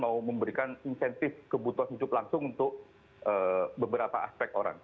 mau memberikan insentif kebutuhan hidup langsung untuk beberapa aspek orang